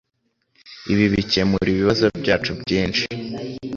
Ibi bikemura ibibazo byacu byinshi